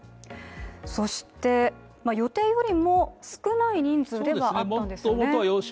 そして予定よりも少ない人数ではあったんですよね。